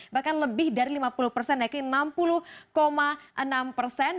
bahkan lebih dari lima puluh persen naikin enam puluh enam persen